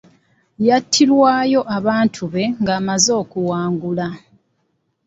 Yattirwayo abantu be ng'amaze okuwangula.